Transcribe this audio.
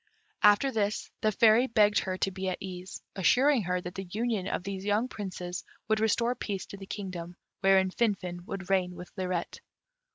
After this the Fairy begged her to be at ease, assuring her that the union of these young Princes would restore peace to the kingdom, wherein Finfin would reign with Lirette.